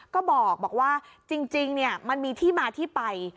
ก็บอกว่าจริงมันมีที่มาที่ไป